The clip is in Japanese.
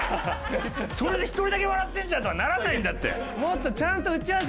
それで「１人だけ笑ってんじゃん」とはならないんだって。